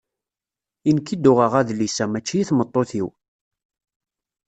I nekk i d-uɣeɣ adlis-a, mačči i tmeṭṭut-iw.